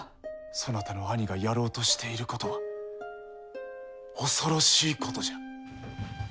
そなたの兄がやろうとしていることは恐ろしいことじゃ。